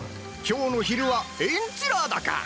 今日の昼はエンチラーダか！